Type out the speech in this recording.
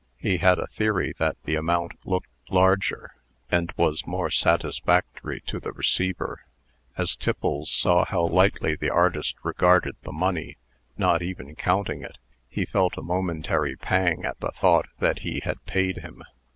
He had a theory that the amount looked larger, and was more satisfactory to the receiver.) As Tiffles saw how lightly the artist regarded the money, not even counting it, he felt a momentary pang at the thought that he had paid him.